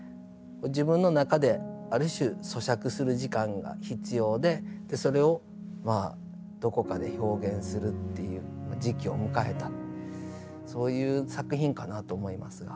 自分の中である種そしゃくする時間が必要でそれをまあどこかで表現するっていう時期を迎えたそういう作品かなと思いますが。